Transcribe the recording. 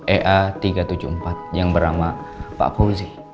ea tiga ratus tujuh puluh empat yang bernama pak fauzi